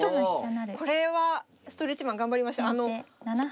これはストレッチマン頑張りました。